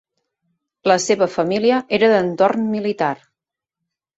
La seva família era d'entorn militar.